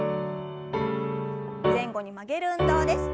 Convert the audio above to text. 前後に曲げる運動です。